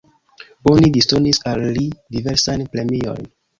Oni disdonis al li diversajn premiojn.